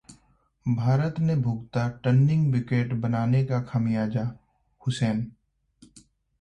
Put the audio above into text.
भारत ने भुगता turning wicket बनाने का खामियाजा: हुसैन